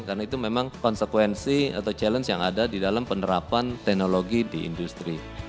karena itu memang konsekuensi atau challenge yang ada di dalam penerapan teknologi di industri